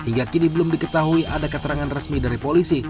hingga kini belum diketahui ada keterangan resmi dari polisi